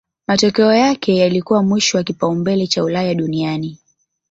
Matokeo yake yalikuwa mwisho wa kipaumbele cha Ulaya duniani